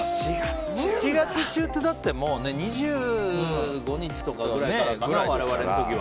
７月中ってもう２５日とかぐらいからだから我々の時は。